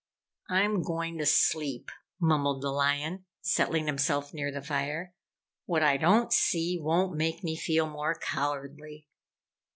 "I'm going to sleep," mumbled the lion, settling himself near the fire. "What I don't see, won't make me feel more cowardly."